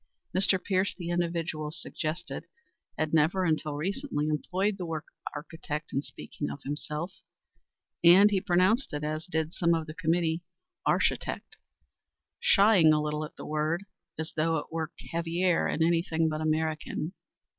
Mr. Pierce, the individual suggested, had never, until recently, employed the word architect in speaking of himself, and he pronounced it, as did some of the committee, "arshitect," shying a little at the word, as though it were caviare and anything but American.